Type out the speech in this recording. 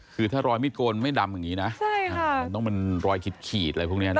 คือถ้ารอยมิดโกนไม่ดำอย่างนี้นะมันต้องเป็นรอยขีดอะไรพวกนี้นะ